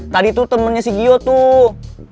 tadi tuh temennya si gio tuh